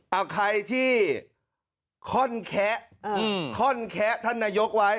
เอาใครที่ค่อนแคะท่อนแคะท่านนายกไว้